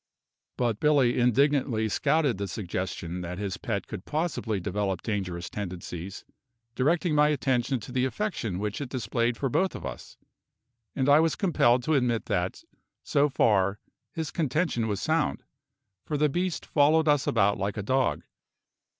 But Billy indignantly scouted the suggestion that his pet could possibly develop dangerous tendencies, directing my attention to the affection which it displayed for both of us; and I was compelled to admit that, so far, his contention was sound, for the beast followed us about like a dog.